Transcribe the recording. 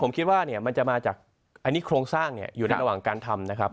ซึ่งผมคิดว่าเนี่ยมันจะมาจากอันนี้โครงสร้างเนี่ยอยู่ระหว่างการทำนะครับ